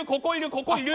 ここいる！